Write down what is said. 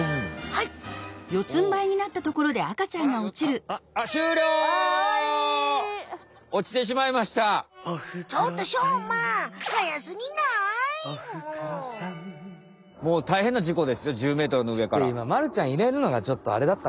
いままるちゃんいれるのがちょっとあれだった。